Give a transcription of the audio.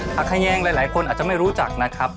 ผักแยงหลายคนอาจจะไม่รู้จักนะครับ